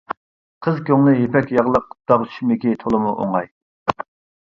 قىز كۆڭلى يىپەك ياغلىق داغ چۈشمىكى تولىمۇ ئوڭاي.